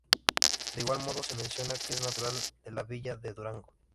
De igual modo, se menciona que es natural de la villa de Durango.